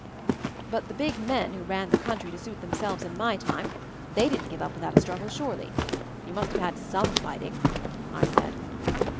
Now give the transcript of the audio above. "But the big men who ran the country to suit themselves in my time, they didn't give up without a struggle surely? You must have had some fighting," I said.